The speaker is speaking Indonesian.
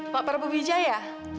pak prabu wijaya